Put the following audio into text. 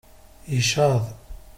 Icaḍ!